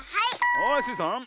はいスイさん。